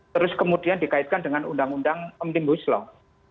terus kemudian dikaitkan dengan undang undang omnibus law